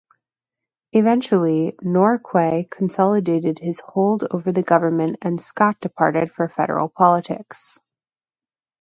Eventually, Norquay consolidated his hold over the government and Scott departed for federal politics.